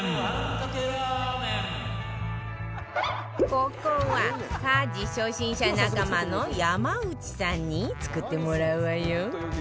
ここは家事初心者仲間の山内さんに作ってもらうわよ